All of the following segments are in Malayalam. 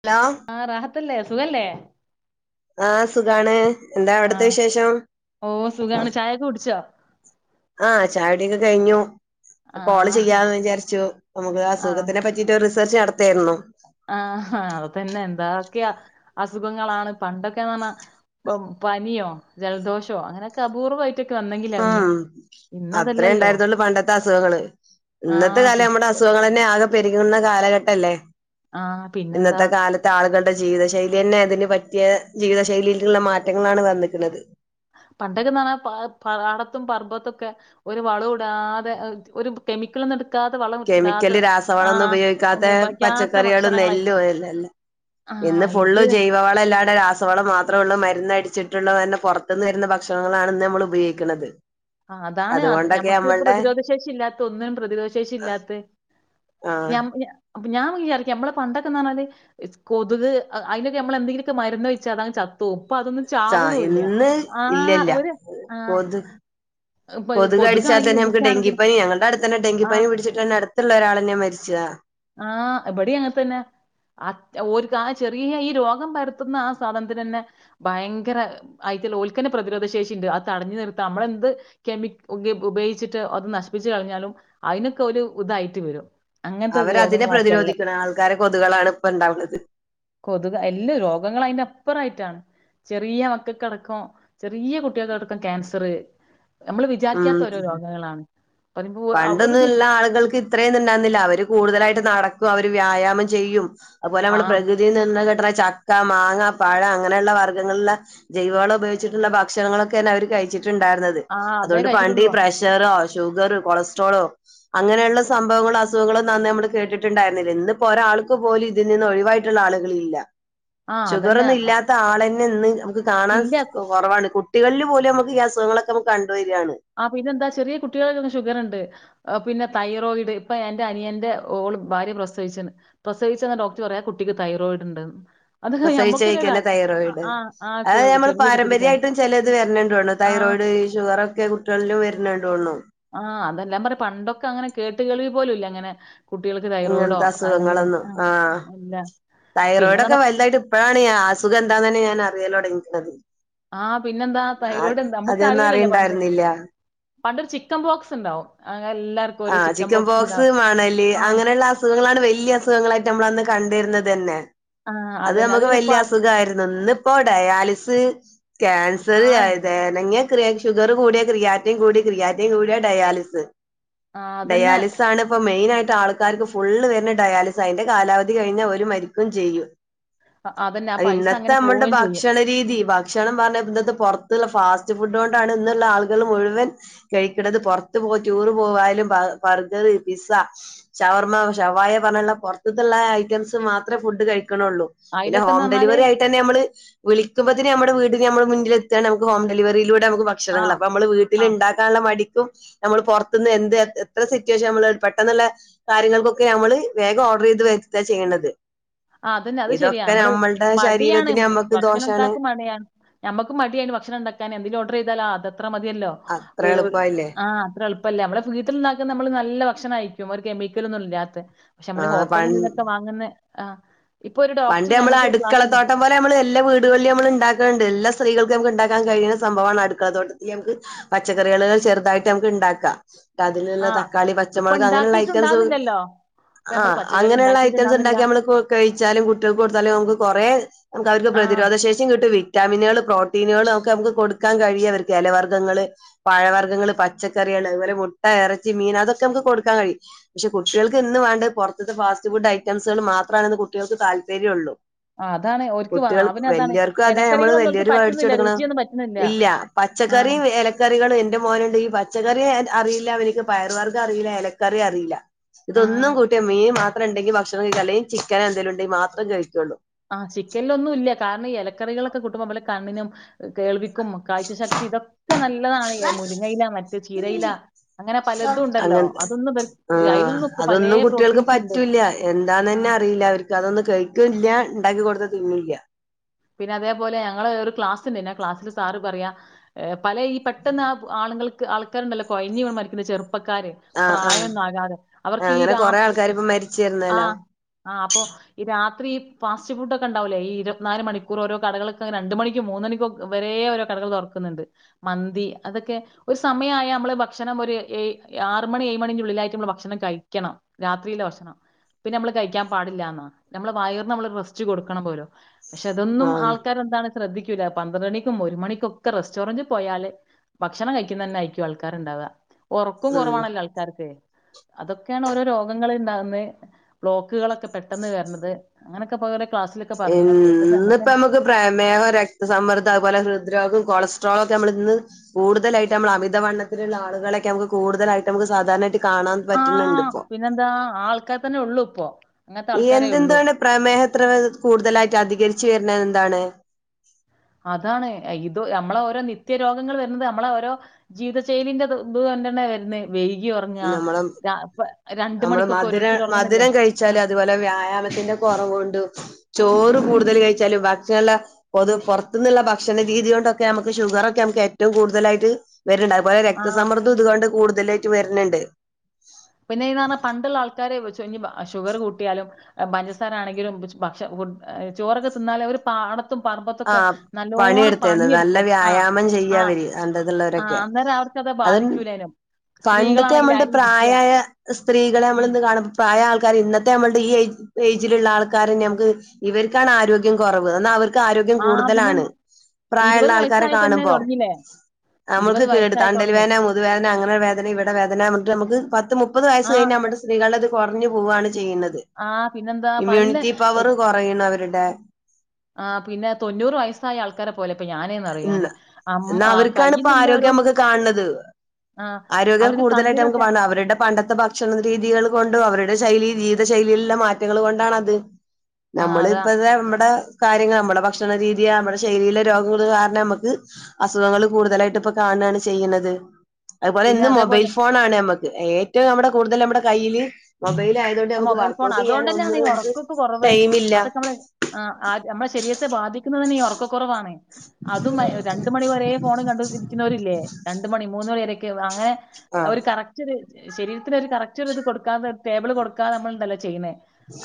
ഹലോ ത്തല്ലേ സുഖല്ലേ ആ സുഖാണ് എന്താ അവിടത്തെ ആഹ് വിശേഷം ഓ സുഖാണ് ചായൊക്കെ കുടിച്ചോ ആ ചായ കുടിയൊക്കെ കഴിഞ്ഞു കോള് ആഹ് ചെയ്യാമന്ന് വിചാരിച്ചു നമുക്ക് അസുഖത്തിനെ പറ്റിട്ട് ഒരു റി സർച്ച് നടത്തായിരുന്നു ആഹ അതൊക്കെ തന്നെ എന്തൊക്കെയ അസുഖങ്ങളാണ് പണ്ടൊക്കെന്ന് പറഞ്ഞാ പനിയോ ജലദോഷോ അങ്ങനെയൊക്കെ അപൂർവ്വമായി ഉം അത്രേ ഇന്നതല്ലല്ലോ ഉണ്ടായിരുന്നുള്ളൂ പണ്ടത്തെ അസുഖങ്ങള് ഇന്നത്തെ ആഹ് കാലം പി നമ്മുടെ അസുഖങ്ങൾ തന്നെ ആക പെരുകുന്ന കാലഘട്ടം അല്ലേ ആഹ് പിന്നെന്താ ഇന്നത്തെ കാലത്ത് ആളുകൾ നമ്മുടെ ജീവിത ശൈലി തന്നെ അതിന് പറ്റിയ ജീവിത ശൈലിലുള്ള മാറ്റങ്ങളാണ് വന്നിക്കുന്നത് പണ്ടൊക്കെന്ന് പറഞ്ഞാൽ പാടത്തും പറമ്പത്തൊക്കെ ഒരു വളവും അതാതെ ഒരു കെമിക്കൾ നടത്തി കെമിക്കല് രാസവളമൊന്നും ഒന്നും ഉപയോഗിക്കാത്ത ഇടാക്കാത്ത പച്ചക്കറികളും നെല്ലും ഭക്ഷണങ്ങളായിരിക്കും അല്ലല്ല ഇന്ന് ആഹ് ഇത് ഫുള്ള് ജൈവവളം ഇല്ലാണ്ട് രാസ- വളം മാത്രേ ഉള്ളൂ മരന്ന് അടിച്ചിട്ടുള്ള തന്നെ പുറത്തുന്ന് വരുന്ന ഭക്ഷണങ്ങളാണ് ഇന്ന് നമ്മൾ ഉപയോഗിക്കുന്നത് ആ് അതാണ് അത് അതുകൊണ്ടൊക്കെ നമ്മക്ക് നമ്മളുടെ പ്രതിരോധ ശേഷി ഇല്ലാത്ത ഒന്നിനും പ്രതിരോധ ശേഷില്ലാത്ത [inaudible] ആഹ് അപ്പൊ ഞാൻ വിചാരിക്കാം നമ്മളെ പണ്ടൊക്കെ പറഞ്ഞാല് കൊതുക് അതിലൊക്കെ നമ്മള എന്തെങ്കിലുമൊക്കെ മരുന്നൊഴിച്ചാ അതങ്ങ് ചത്ത്പോകും അപ്പൊ അതൊന്നും സാ ചാവണൂല്യ ഇന്ന് ആ ഒരു ആ കൊതുക കടിച്ചാൽ തന്നെ നമുക്ക് ഡെങ്കിപ്പനി ഞങ്ങളുടെ അടുത്ത് തന്നെ ആഹ് ഡെങ്കിപ്പനി പിടിച്ചിട്ട് തന്നെ അടുത്തുള്ള ഒരാളെന്നെ മരിച്ചതാ ആ ഇവിടി അങ്ങനെ തന്നെ ആ ഓർക്ക് ചെറിയ ഈ രോഗം പരത്തുന്ന ആ സാധനത്തിന് തന്നെ ഭയങ്കര ഐറ്റത്തിന്റെ ഓർക്ക് തന്നെ പ്രതിരോധ ശേഷി ഉണ്ട് അത് തടഞ്ഞു നിർത്ത നമ്മള എന്ത് കെമക്കൽ ഉപയോഗിച്ചിട്ട് അത് നശിപ്പിച്ചു കഴിഞ്ഞാലും അതിനൊക്കെ ഒരു ഇതായിട്ട് വരും അ- അവരതിനെ പ്രതിരോധിക്കണം ആൾ ക്കാര കൊതുകുകളാണ് ഇപ്പ ഇണ്ടാവുള്ളത് കൊതുകൾ എല്ലാ രോഗങ്ങളും അതിന്റെ അപ്പുറമായിട്ടാണ് ചെറിയ മക്കൾക്കടക്കം ചെറിയ കുട്ടികൾക്കടക്കം ക്യാൻസർ നമ്മള് വിചാരിക്കാത്ത ഓരോ രോഗങ്ങളാണ് പറയുമ്പോ ഒരു പണ്ടൊന്നും ദുഷ് ഉള്ള ആളുകൾക്ക് ഇത്രയൊന്ന ഇണ്ടയിരുന്നില്ല അവര് കൂടുതലായിട്ട് നട ക്കും അവര് വ്യായാമം ചെയ്യും അതുപോലെ ആ നമ്മ പ്രകൃതിണഘടന ചക്ക മാങ്ങ പഴം അങ്ങനെയുള്ള വർഗ്ഗങ്ങളിലുള്ള ജൈവള ഉപയോഗിച്ചിട്ടുള്ള ഭക്ഷണങ്ങളൊക്കെ തന്നെ അവര് കഴിച്ചി ണ്ടായിരുന്നത് ആ അതേ അതുകൊണ്ട് പണ്ട് ഈ കഴിച്ചിട്ടുള്ളൂ പ്രഷറ ജോഗർ കൊളസ്ട്രോളോ അങ്ങനെയുള്ള സംഭവങ്ങളോ അസുഖങ്ങളോ നന്ന് നമ്മള് കേട്ടിട്ടുണ്ടായിരുന്നില്ല ഇന്ന്പ്പോ ഒരാൾക്ക് പോലും ഇതിൽ നിന്ന ഒഴിവായിട്ടുള്ള ആളുകള ഇില്ല ആ അതന്നെ ഷുഗർന്നും ഇല്ലാത്ത ആളെ [unintelligible] കാണാൻ ഇല്ല കുറവാണ് തികള്ളി പോലെ നുക്ക് അുഖങ്ങളക്കെ നമുണ്ടണ്ട് ആ പിന്നെന്താ ചെറിയ കുട്ടികൾക്ക ഷുഗർ ഉണ്ട് പിന്നെ തൈറോയിഡ് ഇപ്പൊ എന്റെ അനിയന്റെ ഓള് ഭാര്യ പ്രസവിച്ചണ്ട് പ്രസവിച്ച ഡോക്ടർ പറയാ കുട്ടിക്ക് തൈറോയിഡ് ഉണ്ട്ന്ന് അത് പ്രസവിച്ച ഞമ്മക്കന്നെ ഒരു കഴിക്കാനെ അ- തൈറോയിഡ് ആ ആ അത് കു- നഞമ്മൾ ചെറിയ കുട്ടിക്ക് തൈ പാരമ്പര്യമായിട്ടും ചില ഇത് വരുന്നണ്ടണ് ആ തൈറോയിഡ് ഈ ഷുഗർ ഒക്കെ ടും വരുന്നണ്ടോള്ളൂ ആഹ് അതെല്ലാം പറ പണ്ടൊക്കെ അങ്ങനെ കേട്ട് കേൾവി പോലും ഇല്ല അങ്ങനെ കുട്ടികൾക്ക് തൈറോയിഡോ അങ്ങനത്തെ അല്ലെങ്കിൽ അസുഖങ്ങളൊന്നും ആ ആ് ഇല്ല തൈറോയ്ഡ ഒക്കെ പിന്നെന്താ വലുതായിട്ട് ഇപ്പഴാണ് അസുഖം എന്താന്ന് തന്നെ ഞാൻ അറിയല്ലോ അപ ആഹ് പിന്നെന്താ തൈറോയ്ഡ് എന്താ നമ്മുക്ക് ആദ്യൊന്നും അറിയിലല്ലോ പണ്ട് അറിയണ്ടായിരുന്നില്ല പണ്ടൊരു ചിക്കൻ ബോക്സ് ഉണ്ടാവും എല്ലാർക്കും ആ ഒരു ചിക്കൻ ബോക്സ് പോക്സ് ഉണ്ടാവും മാണല് ആ അങ്ങനെയുള്ള അസുഖങ്ങളാണ് വലിയ അസുഖങ്ങളായിട്ട് നമ്മൾ അന്ന് കണ്ടിരുന്നത് അ തന്നെ ആ അത് അതന്നെ നമുക്ക് പിന്നെപ്പ വലിയ അസുഖയിരുന്നു ഇന്നിപ്പോ ഡയാലിസ് ആ ക്യാൻസർ അതനങ്ങെ ക്രി ഷുഗർ കൂടിയ ക്രിയാറ്റം കൂടി ക്രിയാറ്റം കൂടിയാ ഡയാലിസ് ആ അതന്നെ ഡയാലിസിസ് ആണ് ഇപ്പ മെയിൻ ആയിട്ട് ആൾക്കാർക്ക് ഫുള് വരുന്ന ഡയാലിസ അതിന്റെ കാലാവധി കഴിഞ്ഞാൽ ഒരു മരിക്കും ചെയ്യും അ അതന്നെ ആ അ പൈസ ഇന്നത്തെ അങ്ങനെ മ്മളുടെ പോവുകയും ചെയ്യും. ഭക്ഷണ രീതി ഭക്ഷണം പറഞ്ഞ ഇന്നത്തെ പുറതുള്ള ഫാസ്റ്റ് ഫുഡ് കൊണ്ടാണ് ഇന്നുള്ള ആളുകൾ മുഴുവൻ കഴിക്കത് പുറത്ത് പോ ടൂർ പോവായാലും ബർഗർ പിസ്സ ഷവർമ്മ ഷവായ പറഞ്ഞുള്ള പുറത്തുള്ള ഐറ്റംസ് മാത്രമേ ഫുഡ് കഴ ക്കാനുള്ളു പിന്നെ അയലൊക്കെന്ന് ഹോം പറഞ്ഞാല് ഡെലിവറി ആയിട്ട് തെ നമ്മള് വിളിക്കുമ്പ നമ്മ വീ മ്മ മുന്നില എത്താണ് നമക്ക് ഹോം ഡെലിവറിയില നമുക്ക് ആ ഭക്ഷണങ്ങൾ അപ്പ നമ്മള് വീട്ടിൽ ആ ഉണ്ടാക്കാനുള്ള മടി നമ്മൾ പുറത്തന്ന് എന്ത് എത്ര സിറ്റുവേഷൻ നമ്മൾ പെട്ടെന്നുള്ള കാര്യങ്ങൾക്കൊക്കെ നമ്മള് വേഗം ഓർഡർ ചെയ്ത് വരുത്ത ചെയ്യ്ണത് ആഹ് അതന്നെ അത് ശെരിയാ നമ്മള് മടിയാണ് ശരീരത്തിന് നമ്മക്ക് ഭക്ഷണം ദോഷാണ് ഉണ്ടാക്കും മടിയാണ് ഞമ്മക്ക് മടിയാണ് ഭക്ഷണം ഉണ്ടാക്കാൻ എന്തേലും ഓർഡർ ചെയ്താലോ അതത്ര മതി ല്ല അത്ര എളുപ്പല്ലേ അഹ് അത്ര എളു അപ്പല്ല നമ്മളെ വീട്ടിൽ നിന്നാക്കും നമ്മ ന ഭക്ഷണം അയിക്കും ഒരു കെമിക്കലൊന്നും ഇല്ലാത്ത പക്ഷെ ആ നമ്മൾ പ ഹോട്ടലിൽ നിന്ന് ഇന്നൊക്കെ വാങ്ങുന്ന ആഹ് പണ്ട് നമ്മള് അടുക്കളത്തോട്ടം പോലെ നമ്മള് എല്ലാ വീടുകളിലും നമ്മള് ഉണ്ടാക്ക്ണ്ട് എല്ലാ സ്ത്രീകൾക്കും നമുക്ക് ഉണ്ടാക്കാൻ കഴിയ്ണ സംഭവമാണ് അടുക്കള തോട്ടത്തിൽ നമുക്ക് പച്ചക്കറികള് ചെറുതായിട്ട് നമ്ക്ക് ഇണ്ടാക്കാം ആ അതിലുള്ള തക്കാളി ഇപ്പൊ പച്ചമുളക് അങ്ങനെയുള്ള ഐറ്റംസ് ഉണ്ടാക്കിയിട്ടുണ്ടാവുന്നില്ലല്ലോ. ഇപ്പൊ നമ്മള് ആഹ് പച്ചക്കറി അങ്ങനെയുള്ള ഐറ്റംസ് ഉണ്ടാക്കിയിട്ടുണ്ടാവുന്നില്ല. ഉണ്ടാക്കി നമ്മൾക്ക് കഴി കുട്ടികൾക്ക് കൊടുത്താലും നമുക്ക് കുറേ അവർക്ക് ആ പ്രതിരോധശേഷിയും കിട്ടും വിറ്റാമി നുകള് പ്രോട്ടീനുകള് ഒക്കെ നമുക്ക് കൊടുക്കാൻ കഴിയും അവർക്ക് ഇലവർഗങ്ങങ്ങള് പഴവർഗങ്ങങ്ങള് പച്ചക്കറികൾ അതുപോല മുട്ട ഇറച്ചി മീൻ അതൊക്കെ നമു കൊടുക്കാൻ കഴിയും പക്ഷെ കുട്ടികൾക്ക് ഇന്ന് വേണ്ടത് പുറത്തത്തെ ഫാസ്റ്റ് ഫുഡ് ഐറ്റംസുകൾ മാത്രാണെന്നു കുട്ടികൾക്ക് താല്പര്യം ഉള്ളു ആ, അതാണ് ഓര്ക്ക് വാ കുട്ട്യേൾ അവന് അതാണ് വല്യർക്കും അതെ നമ്മള് ഇലക്കറികളൊന്നും ഓൽക്ക് വല്യോര് വേട്ച്ച് പറ്റുന്നില്ല കൊടുക്കണ്. രുചിയൊന്നും പറ്റുന്നില്ല. ഇല്ല ആഹ് പച്ചക്കറിം എലക്കറികളും എന്റെ മോനുണ്ടെങ്കി പച്ചക്കറ്യേ അറിയില്ല അവർക്ക് പയറ് വർഗം അറീല്ല എലക്കറി അറീല്ല ഇതൊന്നും ആഹ് കൂട്ട്യാ മീൻ മാത് ത്രണ്ടെങ്കി ഭക്ഷണം കഴിക്കും അല്ലെങ്കി ചിക് ക്കനന്തേലുണ്ടെങ്കി മാത്രം കഴിക്കുള്ളൂ ആഹ് ചിക്കൻലൊന്നുല്ല കാരണം ഈ എലക്കറികളൊക്കെ കൂട്ടുമ്പ മ്മള് കണ്ണിനും കേൾവി ക്കും കാഴ്ച ശക്തി ഇതൊക്കെ നല്ലതാണ് മുരിങ്ങയിലാ മറ്റ് ചീരയിലാ അങ്ങനെ പലതും ഉണ്ടല്ലോ അങ്ങനത്തെ അതൊന്നും വൽ ആഹ് അയിലൊന്നുപ്പ പലേ അതൊന്നും കുട്ടികൾക്ക് പ്രോട്ടീൻസ് ഉണ്ട്. പറ്റൂല്ല എന്താന്ന് ആഹ് ഇണ്ടാക്കി കൊട്ത്ത തിന്നില്ല. പിന്നെ അതേപോലെ ഞങ്ങള് ഒരു ക്ലാസ്ണ്ടായിനി ആ ക്ലാസ്സില് സാറ് പറയാ ഏഹ് പല ഈ പെട്ടെന്ന് ആളുകൾ ക്ക് ആൾക്കാര്ണ്ടല്ലോ കൊഴഞ്ഞ് വീണ് മരിക്ന്ന ചെർ പ്പക്കാര് ആഹ് ആഹ് പ്രായൊന്നും ആകാതെ. അവര്ക്ക് ഈ അങ്ങനെ കൊറേ രാത് ആൾക്കാര് ഇപ്പ മരിച്ചിരുന്നല്ലോ ആഹ് ആഹ് അപ്പൊ ഈ രാത് ത്രി ഫാസ്റ്റ് ഫുഡോക്കെണ്ടാവുലെ ഈ ഇരത് നാല് മണി ക്കൂർ ഓരോ കടകൾക്ക് രണ്ട് മണിക്കും മൂന്ന് മണിക്കും വരെ ഓരോ കടകൾ തൊറക്കുന്നുണ്ട് മന്തി അതൊക്കെ ഒരു സമയായ നമ്മള് ഭക്ഷണം ഒരു ഏയ് ആറ് മണി ഏഴ് മണിന്റുള്ളിലായിട്ട് മ്മള് ഭക്ഷണം കഴിക്കണം. രാത്രിയിലെ ഭക്ഷണം. പിന്നെമ്മള് കഴിക്കാൻ പാടില്ലാന്നാ നമ്മള് വയർന്നമ്മള് റെസ്റ്റ് കൊടുക്കണം പോലോ. ക്ഷെ അതൊന്നും ആഹ് ആൾക്കാര് എന്താണ് ശ്രദ്ധിക്കൂല പന്ത്രണ്ടണിക്കും ഒരു മണികൊക്കെ റെസ്റ്റോറന്റ് പോയാല് ഭക്ഷണം കഴിക്കുന്നന്നെ ആയിക്കും ആൾക്കാര്ണ്ടാവ ഒറക്കും ഉം കുറവാണല്ലോ ആൾക്കാർക്ക് അതൊക്കെയാണ് ഓരോ രോഗങ്ങള് ഉണ്ടാവുന്നെ ബ്ലോക് ക്കുകളൊക്കെ പെട്ടെന്ന് കേറണത് അങ്ങനൊക്കെ പകരെ ക്ലാസ്സിലൊക്കെ പറയുന്നെ കേ ഇന്നിപ്പ നമുക്ക് പ്രമേഹം രക്തസമ്മർദ്ദം അത്പോലെ ഹൃദ്രോഗം കൊളസ്ട്രോൾ ഒക്കെ നമ്മൾ ഇന്ന് കൂടുതലായിട്ട് നമ്മള് അമിത വണ്ണത്തിലുള്ള ആളുകളെയൊക്കെ നമുക്ക് കൂടുതലായിട്ട് നമുക്ക് സാധാരണായിട്ട് ആഹ് പിന്നെന്താ ആൾക്കാര് തന്നെ ഉള്ളൂ ഇപ്പൊ ഈ എന്തെന്താണ് പ്രമേഹം ഇത്ര കൂടുതലായിട്ട് അധികരിച്ചുവരു ന്നത് എന്താണ് അതാണ് ഇത് നമ്മളെ ഓരോ നിത്യ രോഗങ്ങൾ വരുന്നത് നമ്മളെ ഓരോ ജീവിതശൈലിന്റെ ഇത് തന്നാണ് വരുന്നത് നമ്മള് രണ്ട് നമ്മള് മണിക്കൊക്കെ മധുരം ഓരോരുത്തര് ഒറങ്ങുന്നില്ലേ മധുരം കഴിച്ചാല് ആഹ് അതുപോലെ വ്യായാമത്തിന്റെ കെറവ് കൊണ്ടും ചോറ് കൂടുതല് കഴിച്ചാലും ഭക്ഷണം പൊതു പുറത്തു നിന്നുള്ള ഭക്ഷണ രീതി കൊണ്ടൊക്കെ നമക്ക് ഷുഗറൊക്കെ നമക്ക് ഏറ്റവും കൂടുതലായിട്ട് വരുണ്ട് അതുപലെ ആഹ് രക്തസമ്മർദ്ദ ഇതുകണ്ട് കൂടു ഇതിലേറ്റ് വരും ന്ണ്ട് പിന്നെ ഇന്ന് പറഞ്ഞാ പണ്ടുള്ള ആൾക്കാരെ വെച്ച് ഷുഗർ കൂട്ടിയാലും പഞ്ചസാര ആണെങ്കിലും ഭക്ഷ ഫ ചോറൊക്കെ തിന്നാലും അവര് പാട ആ പണിയെടുത്തേന്ന് നല്ല പണിയെടുക്കും ആഹ് വ്യായാമം ആ ചെയ്യവര് അ ആ വരൊക്കെ അന്നേരം അവർക്കത് അത് ബാധിക്കൂലേനും പണ്ടത്തെ സ്ത്രീകളാണെങ്കിൽ നമ്മളുടെ അരി ഇടിക്കുക പ്രായയായ സ്ത്രീകളെ ഉം. നമ്മളിന്ന് കാണു പ്രായ ആൾക്കാർ ഇന്നത്തെ നമ്മളുടെ ഈ ഏജിലുള്ള ആൾക്കാര നമുക്ക് ഇവർക്കാണ് ആരോഗ്യം കെറവ് എന്നാൽ അവർ ആരോഗ്യം ആ പിന്നെ കൂടുതലാണ് പ്രായയുള്ള ഇരുപത് ആൾക്കാരെ വയസ്സായി തന്നെ കാണുമ്പോ തുടങ്ങിയില്ലേ നമ്മുക്ക് ഇരുപത് കേട് വയസ്സായി തണ്ടൽ തുടങ്ങി വേദന മുതുവേദന അങ്ങനെ വേദന ഇവിടെ വേദന എന്നിട്ട് നമുക്ക് പത്ത് മുപ്പത് വയസ്സ് ആ കഴിഞ്ഞ നമ്മടെ സ്ത്രീകളിത് കെറഞ്ഞു പോവാണ് ചെയ്യുന്നത് ആ പിന്നെന്താ പല്ല് ഇമ്യൂണിറ്റി പവർ കെറയണം അവരടെ ആ പിന്ന തൊണൂറ് വയസ്സായ ആൾക്കാര ഇ എന്നാ അവർക്കാണ് ഇപ്പോ കയ്യിന്നില്ല ഒരു ആരോഗ്യം നമുക്ക് കാണണത് ആ ആരോഗ്യം അവർക്ക് കൂടുതലായിട്ട് നമുക്ക് കണ്ണിനൊക്കെ കാ അവരുടെ പണ്ടത്തെ ഭക്ഷണ രീതികൾ കൊണ്ട് അവരുടെ ശൈലി ജീവിതശൈലിയിലല്ല മാറ്റങ്ങൾ കൊണ്ടാണത് ആ നമ്മള് അതാ ഇപ്പത നമ്മടെ കാര്യങ്ങൾ നമ്മുടെ ഭക്ഷണ രീയ നമ്മുടെ ശൈലിയിലെ രോഗ കാരണ നമുക്ക് അസുഖങ്ങൾ കൂടുതലായിട്ട് ഇപ്പൊ കാണയാണ് ചെയ്യണത് അതുപോലെ പിന്നെ ഇന്ന് മൊബൈൽ അതേപോലെ ഫോൺ ആണ് നമക്ക് ഏറ്റവും നമ്മടെ കൂടുതൽ നമ്മടെ കയ്യില് മൊബൈൽ ആയതുകൊണ്ട് ആ നമുക്ക് മൊബൈൽ ഫോൺ വർക്കഔട്ട് അതുകൊണ്ട് ചെയ്യാനോ തന്നെയാണ് ഈ ഒന്നിനും നമുക്ക് ഉറക്കൊക്കെ കുറവ ടൈമില്ല അതൊക്കെ നമ്മള നമ്മുടെ ശരീരത്തെ ബാധിക്കുന്നുന്നത് തന്നെ ഈ ഉറക്കക്കെറവാണേ അതും രണ്ടു മണി വരെ ഫോൺ കണ്ട് ഇരിക്കുന്നവരില്ലേ രണ്ടു മണി മൂന്ന് [unintelligible] അങ്ങനെ ആഹ് ഒരു കറക്റ്റ് ഒരു ശരി കറക്റ്റ്ത് കൊടുകാതെ ടെബിൾ കൊടു നക്ക നമ്മൾന്തല്ല ചെയ്യുന്നത്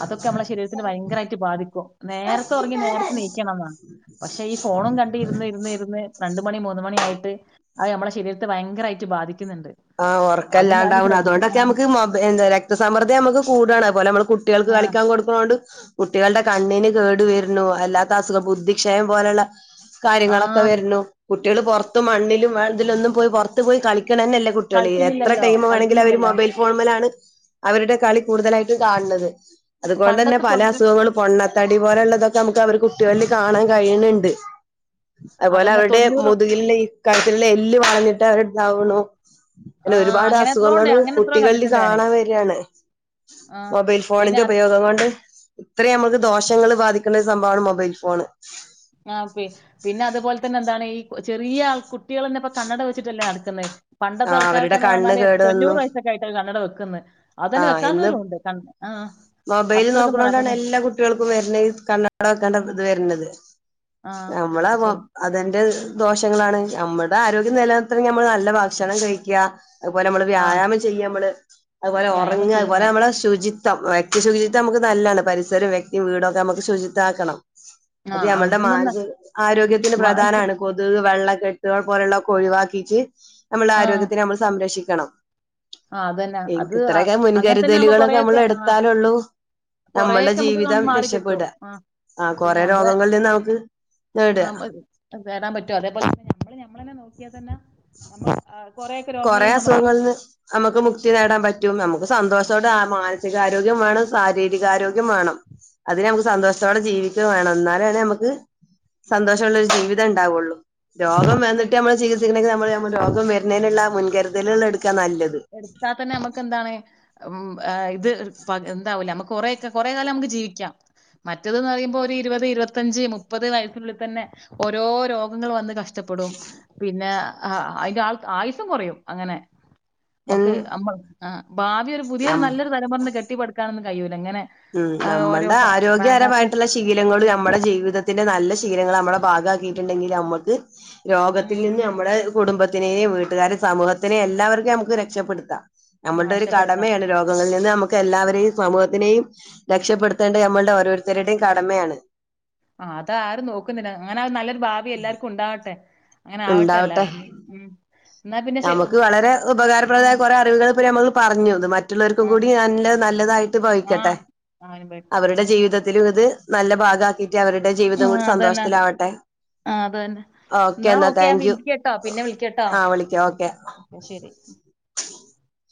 അതൊക്കെ നമ്മളെ ശരീരത്തിന് ഭയങ്കരമായിട്ട് ബാധിക്കും നേരത്തെ ഉറങ്ങി നേരത്തെ നീക്കണം എന്നാണ് പക്ഷെ ഈ ഫോണും കണ്ട ഇരുന്ന് ഇരുന്ന് ഇരുന്ന് രണ്ട മണി മൂന്ന മണിയായിട്ട് അത് നമ്മുടെ ശരീരത്തെ ഭയങ്കരമായിട്ട് ബാധിക്കും ആ ഉറക്കല്ലാണ്ടാവണ് അതുകൊണ്ടൊക്കെ ആഹ് നമുക്ക് എ രക്തസമ്മദ്ദ നമുക്ക് കൂടാണ് അലെ നമ്മൾ കുട്ടികൾക്ക് ആഹ് കളിക്കാൻ കൊടുക്കണൊണ്ട് കുട്ടികളുടെ കണ്ണിനു കേടു വരുന്നു, അല്ലാതെ അസുഖം, ബുദ്ധിക്ഷയം പോലെ ഉള്ള - കാര്യങ്ങൾ ഒക്കെ ആഹ് വരുന്നു കുട്ടികള് മണ്ണിലും ഇതിലും പൊറത്തു പോയി കളിക്കണത് തന്നെ എല്ലാർക്കും - എത്ര കളിക്കുന്നില്ലല്ലോ ടൈം വേണമെങ്കിലും അവര് കളിക്കുന്നില്ലല്ലോ. മൊബൈലെഫോൺ ഉം മേൽ ആണ് അവരുട കളി കൂടുതൽ ആയിട്ടും - ഇത് കാണണത് അതുപോലെ തന്നെ പണ്ടത്തെ പല തൊണ്ണൂ അസുഖങ്ങളും, പോന്നതടി പോലെ ഉള്ളതൊക്കെ നമുക്ക് അവർക്കു - കുട്ടികളിൽ കാണാൻ കഴിയുന്നുണ്ട് അതുപോലെ അതന്നെ അവരുടെ തൊണ്ണൂറും മുതുകിലെ ഈ കഴുത്തിലെ എല്ലു വളഞ്ഞിട്ടുണ്ട് [unintelligible] ഇങ്ങനെ ആഹ് ഒരുപാട് അങ്ങനെ എത്രോ അസുഖങ്ങൾ ഉണ്ട് അങ്ങനെ എത്രയോ കുട്ടികളിൽ കണ്ടിട്ടുണ്ട് ഞാന്. കാണാൻ വരികണ് ആഹ് മൊബൈൽ പിന്നെ ഫോണിന്റെ ഉപയോഗം കൊണ്ട് - ഒത്തിരി നമുക്ക് ദോഷങ്ങൾ ബാധിക്കുന്ന ഒരു സംഭവം ആണ് മൊബൈയിൽ ഫോൺ പിന്നെ അതുപോലെ തന്നെ എന്താണ് ചെറിയ ആൾക്ക് കുട്ടികള് തന്നെ ഇപ്പൊ കണ്ണട വച്ചിട്ടല്ലേ നടക്കുന്നത് [unintelligible] ആ പണ്ടത്തെ ആൾക്ക് അവരുടെ എന്ന് കണ്ണ് പറഞ്ഞാൽ കേട് വന്നു തൊണ്ണൂറ് വയസ്ഒക്കെ കഴിഞ്ഞാ കണ്ണട വയ്കക്കുന്നത് [unintelligible] അത് തന്നെ വൈക്കാത്തവരും ഉണ്ട് ആ മൊബൈലു അത്രക്കും പറ നോക്കണനോട് ആണ് അവര് എല്ലാം കുട്ടികൾക്കും കണ്ണട ആ വൈക്കേണ്ടി വരുന്നത് ആ നമ്മള് പക്ഷെ പാം അത് തന്നെ റിസ്‌ക്കും ദോഷങ്ങൾ ആണ് നമ്മുടെ ആരോഗ്യം നില നിർത്തണമെങ്കിൽ നമ്മള് - നല്ല ഭക്ഷണം കഴിക്കുക, അതുപോലെ ആ വ്യായാമം ചെയുക നമ്മള് വ്യായാമം ഉറങ്ങുക ചെയ്യാ അതുപോലെ നമ്മള് ശുചിത്വം - വ്യക്തമം- ശുചിത്വം നമുക്ക് നല്ലതാണ് പരിസരം വെക്തി വീട് ഒക്കെ നമുക്ക് ശുചിതമാക്കണം ആ നമ്മുടെ അത് തന്നെ മാനസിക ആരോഗ്യത്തിനു മാനസ നല്ലതാണ് കൊതുക് വെള്ളം - [unintelligible] പോലെയുള്ളതൊക്കെ ഒഴിവു ആക്കിയിട്ട് - നമ്മുടെ ആ ആരോഗ്യത്തിനെ നമ്മള് സംരക്ഷിക്കുക ആണൊ ആ അതെന്ന അത് ആ അങ്ങൻതന്നാകുംപോ കൊറേ മുൻകരുതലുകളൊക്കെ ഒക്കെ നമ്മൾ എടുത്താലുള്ളൂ കൊറേകെ നമ്മളുടെ നമ്ക് ക ജീവിതം മാറിക്കിട്ടും രക്ഷപ്പെടുക ആ ആ കൊറെ പിന്നെഅമ്മള് രോഗങ്ങളിൽ നിന്ന് നമുക്ക് നേടുക ആ [unintelligible] കേറാൻപറ്റോ അതേപോലെ തന്നെ ഞമ്മള് ഞമ്മൾനെ നോ യെതെന്ന ആ കൊറേ ഒക്കെ കൊറേ രോഗങ്ങള്ന് നമ്മക് തന്നെ അസുഖങ്ങളിൽ നിന്ന് [unintelligible] നമുക്ക് മുക്തി നേടാൻ പറ്റും നമു സന്തോഷോടെ ആ മാനസികാരോഗ്യം വേണം ശാരീരികാരോഗ്യം വേണം അതിനെ നമുക്ക് സന്തോഷത്തോടെ ജീവിക്കുക വേണം എന്നാലല്ലേ മ്മ ക്ക് സന്തോഷൊള്ളൊരു ജീവിതഇണ്ടാവുള്ളു രോഗം ആ വന്നിട്ട് നമ്മള് ചികിത്സിക്ക രോഗം വരുന്നെന്നേ എല്ലാ മുൻകരുതലുകലെടുത്ത് എടുത്താൽത്തന്നെ നമുക്ക് എന്താണ് ഉ് ഇത് എന്താവൂല നമുക്ക് കൊറെ കുറെേ കാലം നമുക്ക് ജീവിക്കാം മറ്റേതെന്നു പറയുമ്പോ ഒരു ഇരുപത് ഇരുപത്തിഞ്ച് മുപ്പത് വയസ്സിനുള്ളിൽ തന്നെ ഓരോ രോഗങ്ങൾ വന്ന് കഷ് ഇഷ്ടപ്പെടും പിന്നെ ആ അയിന്റെ ആൾ ആയുസും കുറയും അങ്ങനെ നമ്മക്ക് അമ്മ ആ ഭാവിിയ ഒരു പുതിയൊരു ഉം നല്ലൊരു തലമുറേ നേ കെട്ടിപ്പടുക്കാൻ കയൂര് ഉം നമ്മൾടെ വേണ്ടാത്ത ആരോഗ്യകരമായിട്ടുള്ള ശീലങ്ങളും നമ്മുടെ ജീവിതത് ഇതിന്റെ നല്ല ശീലങ്ങളു നമ്മുടെ ഭാഗമാക്കിയിട്ടുണ്ടെങ്കിൽ നമ്മുക്ക് ഉം രോഗത്തിൽ നിന്ന് നമ്മുടെ കുടുംബത്തിനെയും വീട്ടുകാര സമൂഹത്തിനെയും എല്ലാവർക്കും നമുക്ക് രക്ഷപ്പെടുത്താം ഉം, നമ്മളുടെ ഒരു ആശപ്പെടുത്താം കടമയാണ് രോഗങ്ങളിൽ നിൻ ഇന്ന് നമുക്ക് എല്ലാവരെയും സമൂഹത്തിനെയും രക്ഷപ്പെടുത്തേണ്ടത് നമ്മളുടെ ഓരോരുത്തരുടെയും കടമയാണ് ആ ആതാരും നോക്കുന്നില്ല അങ്ങനാ നോല്ലൊരു ഭാവി എല്ലാർക്കും ഉണ്ടാവട്ടെ അങ്ങനെ ആവട്ടെ ഇണ്ടാവട്ടെ. എല്ലാരും എന്നാ പിന്നെ ശ നമുക്ക് വളരെ ഉം ഉപകാരപ്രദമായ കുറെ അറിവുകൾ ഇപ്പ നമ്മൾ പറഞ്ഞു മ [unintelligible] റ്റുള്ളവർക്കും ആ കൂടി ല്ലാ നല്ലതായിട്ട് ഭവിക്കട്ടെ ആഹ് അവനും പോയിട്ട് അവരുടെ ആഹ് ജീവിതത്തിലും ഇത് നല്ല ഭാഗാക്കി ക്കഅവരുടെ ജീവിതം ആഹ് കൂടി അതന്നെ സന്തോഷത്തിലാവട്ടെ ആഹ് അതന്നെ ഓക്കേ എന്നാ ഓക്കെ ഞാൻ താങ്ക്യു വിളിക്കട്ടോ പിന്നെ വിളിക്കട്ടോ ആ വിളി ഓക്കെ ആഹ് [inaudible] ഓക്കെ ശരി [unintelligible]